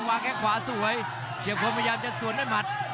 วางแค่งขวาสวยเชี่ยวของมันยามจะสวนด้วยหมัด